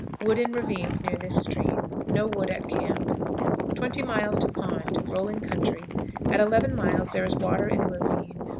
Wood in ravines near this stream. No wood at camp. 20. Pond. Rolling country. At 11 miles there is water in a ravine.